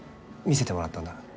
見せてもらったんだ？